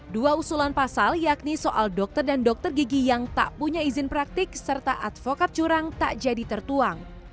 dua usulan pasal yakni soal dokter dan dokter gigi yang tak punya izin praktik serta advokat curang tak jadi tertuang